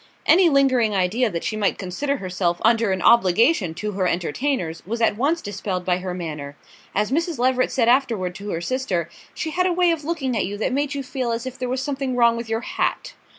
Any lingering idea that she might consider herself under an obligation to her entertainers was at once dispelled by her manner: as Mrs. Leveret said afterward to her sister, she had a way of looking at you that made you feel as if there was something wrong with your hat.